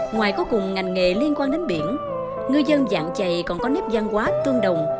ngoài có cùng ngành nghề liên quan đến biển ngư dân dạng chày còn có nét văn hóa tương đồng